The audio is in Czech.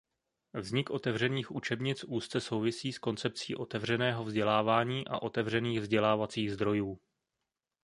Vznik otevřených učebnic úzce souvisí s koncepcí otevřeného vzdělávání a otevřených vzdělávacích zdrojů.